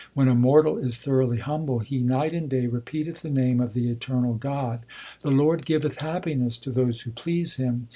When a mortal is thoroughly humble, He night and day repeateth the name of the eternal God. The Lord giveth happiness to those who please Him.